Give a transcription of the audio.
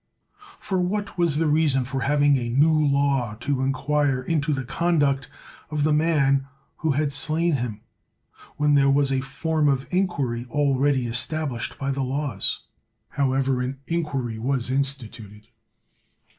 For what was the reason for having a new law to inquire into the conduct of the man who had slain him, when there was a form of inquiry already established by the laws ? However, an inquiry was instituted.